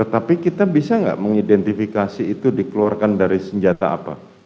tapi kita bisa nggak mengidentifikasi itu dikeluarkan dari senjata apa